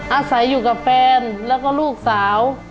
อาศัยอยู่กับแฟนแล้วก็ลูกสาว